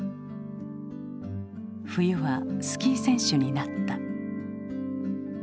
冬はスキー選手になった。